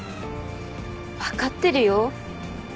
分かってるよ。